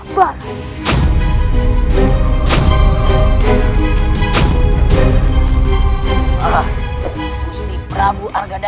mereka pintu tanah menengah